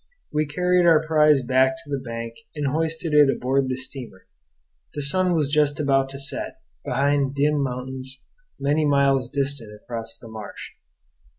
We carried our prize back to the bank and hoisted it aboard the steamer. The sun was just about to set, behind dim mountains, many miles distant across the marsh.